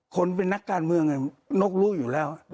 คนเป็นนักการเมืองนกรู้อยู่แล้ว